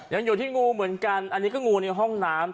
ยังอยู่ที่งูเหมือนกันอันนี้ก็งูในห้องน้ำ